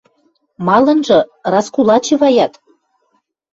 – Малынжы – раскулачиваят.